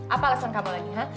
apa alasan kamu lagi ya